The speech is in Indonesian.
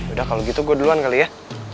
udah kalau gitu gue duluan kali ya